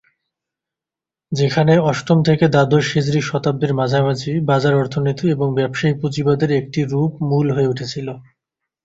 যেখানে অষ্টম থেকে দ্বাদশ হিজরী শতাব্দীর মাঝামাঝি বাজার অর্থনীতি এবং ব্যবসায়ী পুঁজিবাদের একটি রূপ মূল হয়ে উঠেছিল।